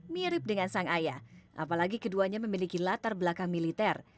mirip dengan sang ayah apalagi keduanya memiliki latar belakang militer